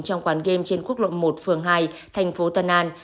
trong quán game trên quốc lộ một phường hai thành phố tân an